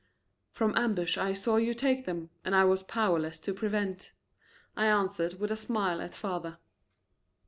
"From ambush I saw you take them, and I was powerless to prevent," I answered with a smile at father.